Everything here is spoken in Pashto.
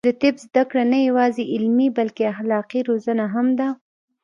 د طب زده کړه نه یوازې علمي، بلکې اخلاقي روزنه هم ده.